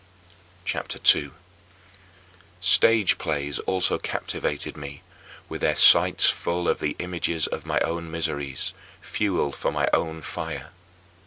CHAPTER II 2. Stage plays also captivated me, with their sights full of the images of my own miseries: fuel for my own fire.